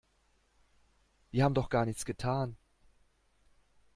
Wir haben doch gar nichts getan.